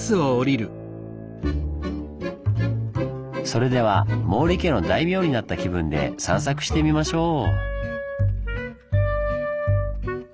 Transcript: それでは毛利家の大名になった気分で散策してみましょう！